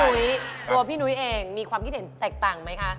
นุ้ยตัวพี่นุ้ยเองมีความคิดเห็นแตกต่างไหมคะ